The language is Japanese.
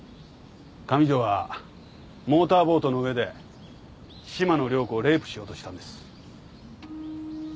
上条はモーターボートの上で島野涼子をレイプしようとしたんです。